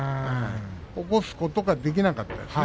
起こすことができなかったですね